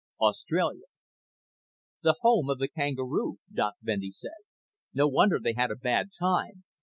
AUSTRALIA "The home of the kangaroo," Doc Bendy said. "No wonder they had a bad time.